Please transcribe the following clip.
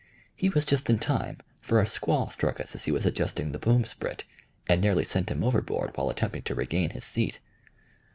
He was just in time, for a squall struck us as he was adjusting the boom sprit, and nearly sent him overboard while attempting to regain his seat.